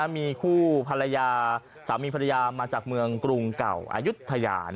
มีคู่ภรรยาสามีภรรยามาจากเมืองกรุงเก่าอายุทยา